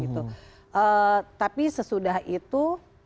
tapi sesudah itu